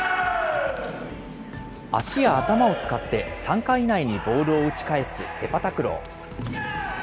足や頭を使って３回以内にボールを打ち返すセパタクロー。